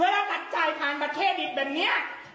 เวลาตัดจ่ายผ่านประเทศอีกแบบนี้